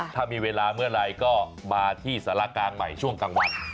ถ้ามีเวลาเมื่อไหร่ก็มาที่สารกลางใหม่ช่วงกลางวัน